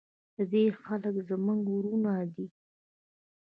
د دې خلک زموږ ورونه دي